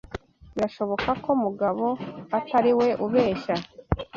Birashoboka ko mugabo atariwe ubeshya.